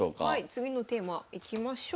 次のテーマいきましょう。